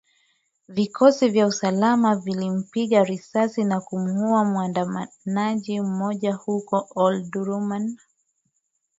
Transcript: Vikosi vya usalama vilimpiga risasi na kumuuwa muandamanaji mmoja huko Omdurman